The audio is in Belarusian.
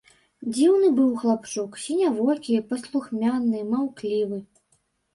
Дзіўны быў хлапчук, сінявокі, паслухмяны, маўклівы.